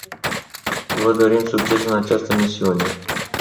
Vă dorim succes în această misiune.